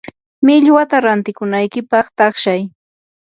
millwata rantikunaykipaq taqshay.